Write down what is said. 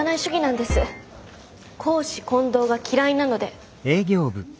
公私混同が嫌いなので。